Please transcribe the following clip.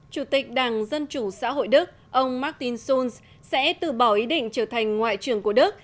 chủ tịch đảng dân chủ xã hội đức ông martin sul sẽ từ bỏ ý định trở thành ngoại trưởng của đức